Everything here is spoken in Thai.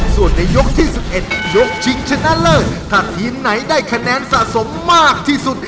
ส่วนในยกที่๑๑ยกชิงชนะเลิศถ้าทีมไหนได้คะแนนสะสมมากที่สุด